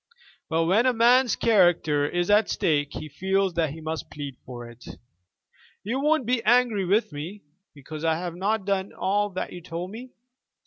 But when a man's character is at stake he feels that he must plead for it. You won't be angry with me because I have not done all that you told me?